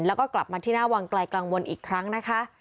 แล้วก็กลับมาที่หน้าวังไกลกังวลอีกครั้งนะคะ